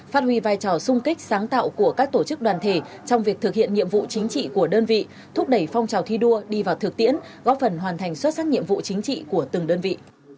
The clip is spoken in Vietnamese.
phát huy vai trò sung kích sáng tạo của các tổ chức đoàn thể trong việc thực hiện nhiệm vụ chính trị của đơn vị thúc đẩy phong trào thi đua đi vào thực tiễn góp phần hoàn thành xuất sắc nhiệm vụ chính trị của từng đơn vị